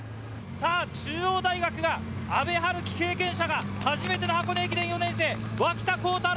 中央大学が阿部陽樹、経験者が初めての箱根駅伝、４年生・脇田幸太朗。